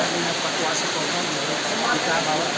kondisi tersebut juga berikut